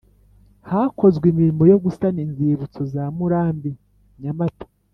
Hakozwe imirimo yo gusana Inzibutso za Murambi Nyamata